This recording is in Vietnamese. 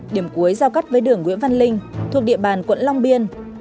điểm cuối giao cắt với đường nguyễn văn linh thuộc địa bàn quận long biên